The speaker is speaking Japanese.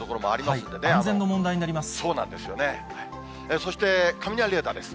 そして雷レーダーです。